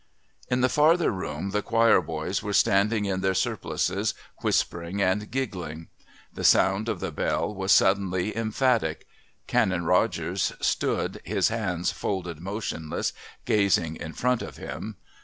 In the farther room the choir boys were standing in their surplices, whispering and giggling. The sound of the bell was suddenly emphatic. Canon Rogers stood, his hands folded motionless, gazing in front of him.